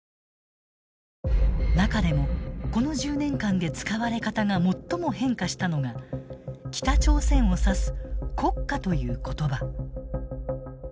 中でもこの１０年間で使われ方が最も変化したのが北朝鮮を指す「国家」という言葉。